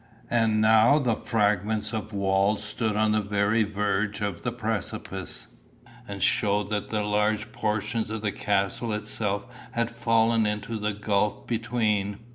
And now the fragments of walls stood on the very verge of the precipice, and showed that large portions of the castle itself had fallen into the gulf between.